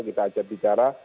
kita ajar bicara